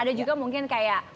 ada juga mungkin kayak